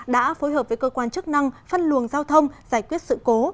đã phối hợp với cơ quan chức năng phân luồng giao thông giải quyết sự cố